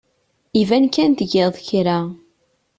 Iban kan tgid kra.